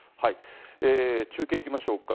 中継いきましょうか。